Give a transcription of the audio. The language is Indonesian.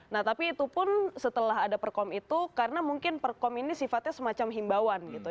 nah tapi itu pun setelah ada perkom itu karena mungkin perkom ini sifatnya semacam himbauan gitu